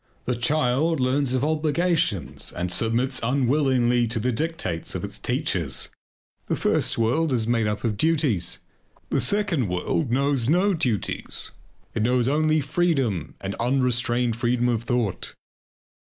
The child learns of obligations and submits unwillingly to the dictates of its teachers. The first world is made up of duties. The second world knows no duties; it knows only freedom and unrestrained freedom of thought.